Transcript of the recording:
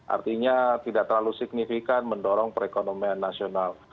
artinya tidak terlalu signifikan mendorong perekonomian nasional